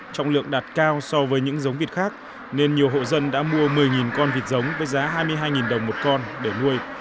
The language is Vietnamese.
trọng lượng đạt cao so với những giống vịt khác nên nhiều hộ dân đã mua một mươi con vịt giống với giá hai mươi hai đồng một con để nuôi